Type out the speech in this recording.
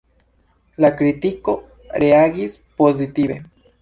La kritiko reagis pozitive.